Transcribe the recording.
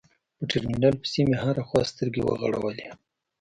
په ترمينل پسې مې هره خوا سترګې وغړولې.